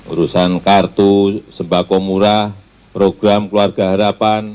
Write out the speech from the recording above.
urusan kartu sembako murah program keluarga harapan